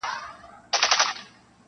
په غوجل کي چي تړلی نیلی آس وو -